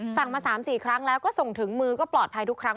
สั่งมา๓๔ครั้งแล้วก็ส่งถึงมือก็ปลอดภัยทุกครั้ง